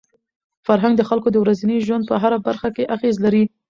فرهنګ د خلکو د ورځني ژوند په هره برخه کي اغېز لري.